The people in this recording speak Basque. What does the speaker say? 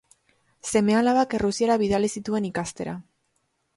Seme-alabak Errusiara bidali zituen ikastera.